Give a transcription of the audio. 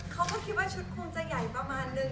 เขาก็คิดว่าชุดคงจะใหญ่ประมาณนึง